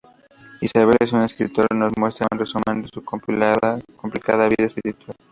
Isabel, en sus escritos, nos muestra un resumen de su complicada vida espiritual.